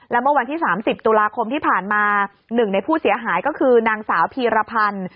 และเมื่อวันที่๓๐ตุลาคมที่ผ่านมาหนึ่งในผู้เสียหายก็คือนางสาวพีรพันธ์